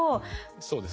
そうですね